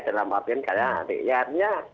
dalam artian karya pemda